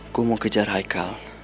aku mau kejar haikal